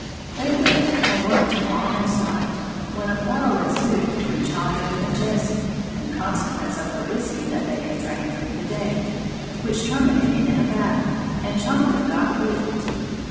They went and worked till almost night, when a quarrel ensued between Chongo and Jesse, in consequence of the whiskey that they had drank through the day, which terminated in a battle, and Chongo got whipped.